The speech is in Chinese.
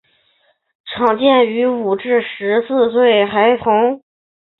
常见于五至十四岁孩童。